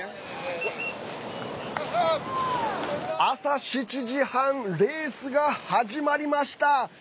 朝７時半、レースが始まりました。